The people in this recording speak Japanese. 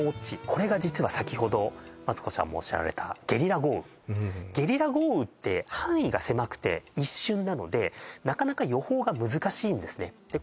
これが実は先ほどマツコさんもおっしゃられたゲリラ豪雨ゲリラ豪雨って範囲が狭くて一瞬なのでなかなか予報が難しいんですねで